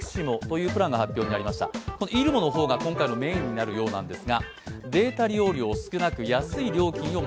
ｉｒｕｍｏの方が今回のメインになるようです。